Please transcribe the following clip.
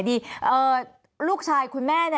มันเป็นอาหารของพระราชา